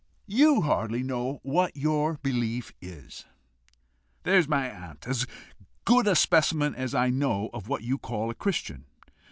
You hardly know what your belief is. There is my aunt as good a specimen as I know of what you call a Christian!